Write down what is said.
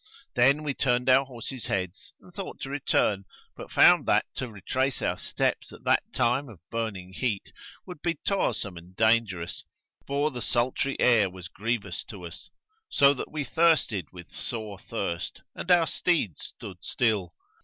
Then we turned our horses' heads and thought to return; but found that to retrace our steps at that time of burning heat would be toilsome and dangerous; for the sultry air was grievous to us, so that we thirsted with sore thirst and our steeds stood still.